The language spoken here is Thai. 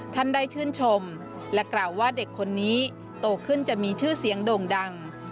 ท่านได้ชื่นชมและกล่าวว่าเด็กคนนี้โตขึ้นจะมีชื่อเสียงโด่งดัง